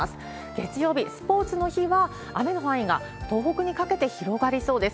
月曜日、スポーツの日は、雨の範囲が東北にかけて広がりそうです。